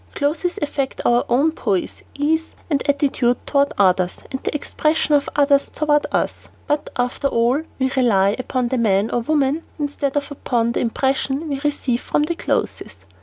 Clothes affect our own poise, ease, and attitude toward others and the expression of others toward us, but, after all, we rely upon the man or woman instead of upon the impression we receive from the clothes.